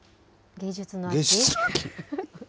芸術の秋。